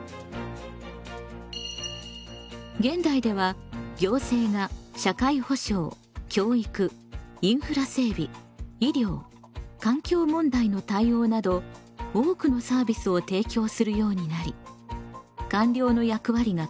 現代では行政が社会保障教育インフラ整備医療環境問題の対応など多くのサービスを提供するようになり官僚の役割が拡大しています。